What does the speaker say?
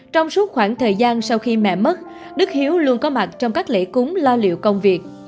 trong suốt khoảng thời gian sau khi mẹ mất đức hiếu luôn có mặt trong các lễ cúng lo liệu công việc